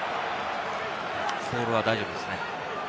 ボールは大丈夫ですね。